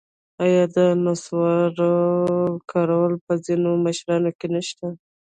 آیا د نصوارو کارول په ځینو مشرانو کې نشته؟